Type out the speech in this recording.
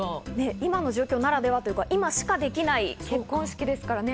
今の状況ならではというか、今しかできない結婚式ですから。